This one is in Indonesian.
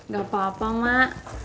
gak apa apa mak